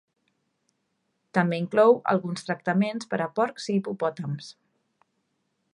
També inclou alguns tractaments per a porcs i hipopòtams.